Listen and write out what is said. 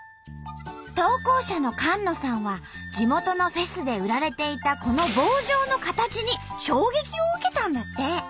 投稿者の菅野さんは地元のフェスで売られていたこの棒状の形に衝撃を受けたんだって！